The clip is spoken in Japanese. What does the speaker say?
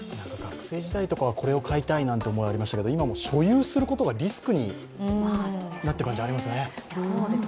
学生時代とかはこれを買いたいなんて思いがありましたけど今は所有することがリスクになっている感じありますよね。